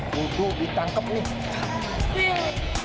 buldo ditangkep nih